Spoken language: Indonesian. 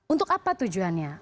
untuk apa tujuannya